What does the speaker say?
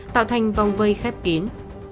tạo thành vòng vây khép kín